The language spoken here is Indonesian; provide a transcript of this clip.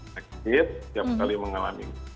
setiap kali mengalami